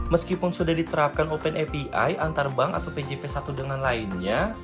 meskipun sudah diterapkan open api antar bank atau pjp satu dengan lainnya